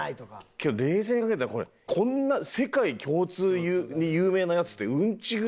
けど冷静に考えたらこれこんな世界共通で有名なやつってうんちぐらいでしょ？